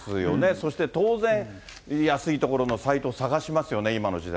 そして当然、安い所のサイト探しますよね、今の時代。